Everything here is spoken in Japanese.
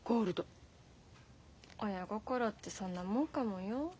親心ってそんなもんかもよ。